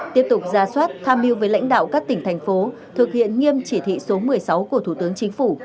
tiếp tục ra soát tham mưu với lãnh đạo các tỉnh thành phố thực hiện nghiêm chỉ thị số một mươi sáu của thủ tướng chính phủ